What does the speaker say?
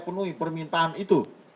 penuhi permintaan itu